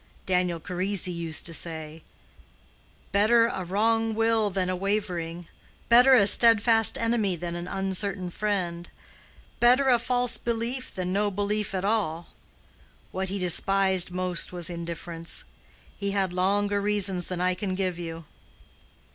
Daniel Charisi used to say, 'Better, a wrong will than a wavering; better a steadfast enemy than an uncertain friend; better a false belief than no belief at all.' What he despised most was indifference. He had longer reasons than I can give you."